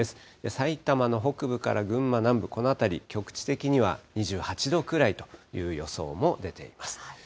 さいたまの北部から群馬南部、この辺り、局地的には２８度くらいという予想も出ています。